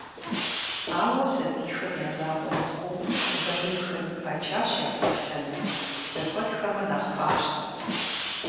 Ауэ сабийхэм я закъуэ мыхъуу, балигъхэми пачащ я псэлъэным, зэхуэтхэмэ нэхъ къащтэ.